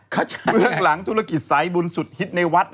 เบื้องหลังธุรกิจสายบุญสุดฮิตในวัด